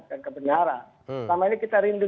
dan kebenaran selama ini kita rindu